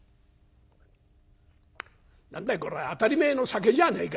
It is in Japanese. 「何だいこりゃ当たり前の酒じゃねえか」。